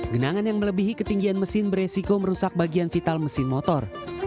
genangan yang melebihi ketinggian mesin beresiko merusak bagian vital mesin motor